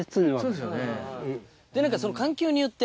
そうですよね。